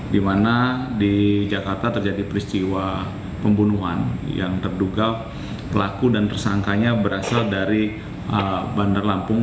di mana di jakarta terjadi peristiwa pembunuhan yang terduga pelaku dan tersangkanya berasal dari bandar lampung